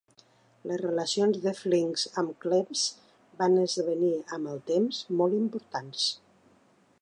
Les relacions de Flincks amb Cleves van esdevenir amb el temps molt importants.